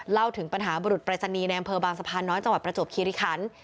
เล่าถึงปัญหาบุรุษปรายศนีย์ในอำเภอบางสะพานน้อยจังหวัดประจวบคิริคัน